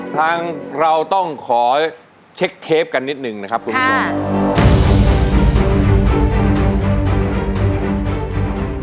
ทางเราต้องขอเช็คเทปกันนิดหนึ่งนะครับคุณผู้ชม